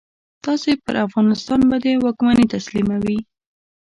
تاسې پر افغانستان باندي واکمني تسلیموي.